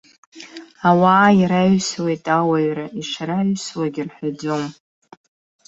Ауаа ираҩсуеит ауаҩра ишраҩсуагь рҳәаӡом.